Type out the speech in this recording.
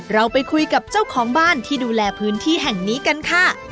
เราไปคุยกับเจ้าของบ้านที่ดูแลพื้นที่แห่งนี้กันค่ะ